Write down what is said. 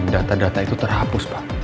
data data itu terhapus pak